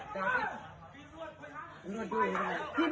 เข้าไปข้างในเลย